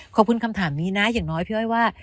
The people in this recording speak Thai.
คำถามนี้นะอย่างน้อยพี่อ้อยว่า